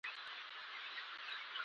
تاسې کور ته ځئ.